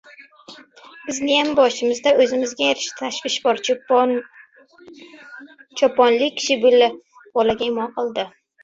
— Bizniyam boshimizda o‘zimizga yarasha tashvish bor, — choponli kishi bolaga imo qildi.